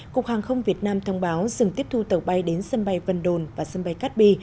cục hàng không việt nam thông báo dừng tiếp thu tàu bay đến sân bay vân đồn và sân bay cát bi